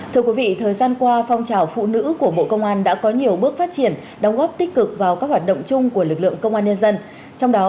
thưa quý vị thời gian qua phong trào phụ nữ của bộ công an đã có nhiều bước phát triển đóng góp tích cực vào các hoạt động chung của lực lượng công an nhân dân